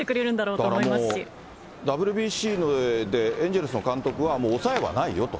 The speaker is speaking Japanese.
だからもう、ＷＢＣでエンゼルスの監督はもうおさえはないよと。